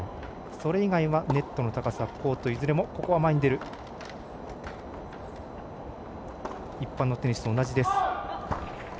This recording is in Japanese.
それ以外はネットの高さ、コートいずれも一般のテニスと同じです。